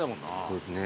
そうですね。